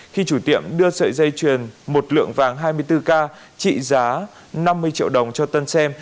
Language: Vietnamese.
khi chủ tiệm đưa sợi dây chuyền một lượng vàng hai mươi bốn k trị giá năm mươi triệu đồng cho tân xem